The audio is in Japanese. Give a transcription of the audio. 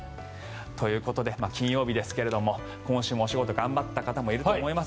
ということで金曜日ですが今週もお仕事頑張った方もいると思います。